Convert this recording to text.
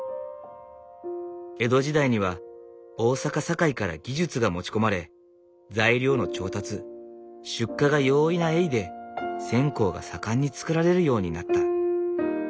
江戸時代には大坂・堺から技術が持ち込まれ材料の調達出荷が容易な江井で線香が盛んに作られるようになった。